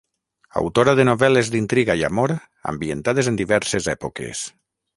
Autora de novel·les d'intriga i amor ambientades en diverses èpoques.